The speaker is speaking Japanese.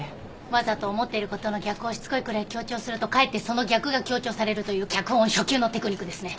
わざと思ってることの逆をしつこいくらい強調するとかえってその逆が強調されるという脚本初級のテクニックですね。